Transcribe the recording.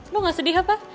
lo gak sedih apa